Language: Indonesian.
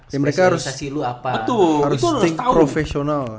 ya mereka harus harus think profesional